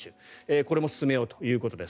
これも進めようということです。